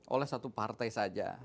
oleh satu partai saja